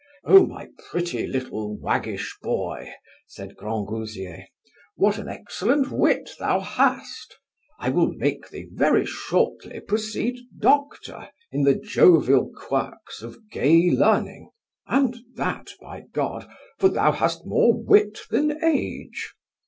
O my pretty little waggish boy, said Grangousier, what an excellent wit thou hast? I will make thee very shortly proceed doctor in the jovial quirks of gay learning, and that, by G , for thou hast more wit than age.